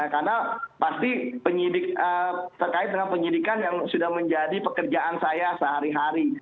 karena pasti penyidik terkait dengan penyidikan yang sudah menjadi pekerjaan saya sehari hari